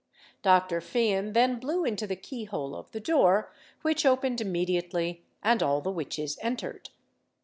Dr. Fian then blew into the keyhole of the door, which opened immediately, and all the witches entered.